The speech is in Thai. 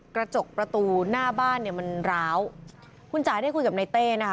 กระจกประตูหน้าบ้านเนี่ยมันร้าวคุณจ๋าได้คุยกับนายเต้นะคะ